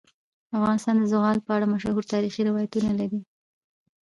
افغانستان د زغال په اړه مشهور تاریخی روایتونه لري.